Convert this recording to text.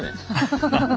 ハハハハ。